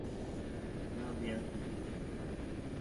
no habíais bebido